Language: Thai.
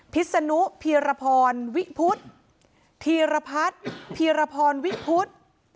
พิษนุพีรพรวิพุทธธีรพัฒน์พีรพรวิพุทธ